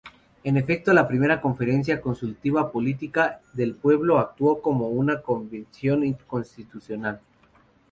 En efecto, la primera Conferencia Consultiva Política del Pueblo actuó como una convención constitucional.